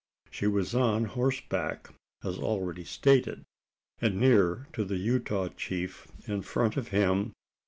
She was on horseback, as already stated, and near to the Utah chief in front of him.